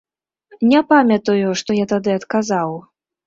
Не памятаю, што я тады адказаў.